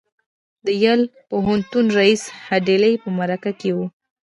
د یل پوهنتون ريیس هيډلي په مرکه کې وویل